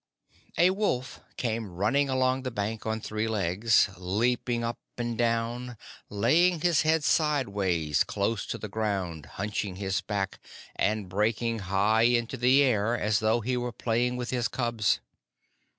A wolf came running along the bank on three legs, leaping up and down, laying his head sideways close to the ground, hunching his back, and breaking high into the air, as though he were playing with his cubs.